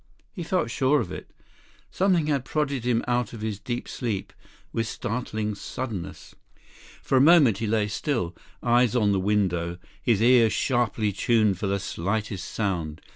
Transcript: He felt sure of it. Something had prodded him out of his deep sleep with startling suddenness. For a moment he lay still, eyes on the window, his ears sharply tuned for the slightest sound.